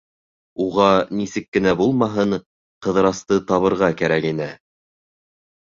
Уға, нисек кенә булмаһын, Ҡыҙырасты табырға кәрәк ине.